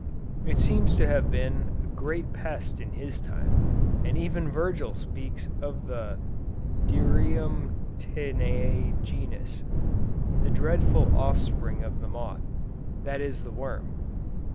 It seems to have been a great pest in his time; and even Virgil speaks of the "dirum tineæ genus," the dreadful offspring of the moth; that is the worm.